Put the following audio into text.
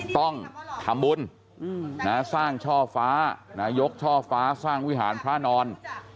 ต้องทำบุญสร้างช่อฟ้านายกช่อฟ้าสร้างวิหารพระนอน